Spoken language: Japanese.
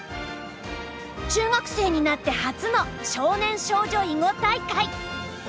中学生になって初の少年少女囲碁大会。